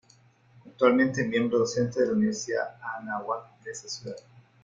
Actualmente es miembro docente de la Universidad Anáhuac de esa ciudad.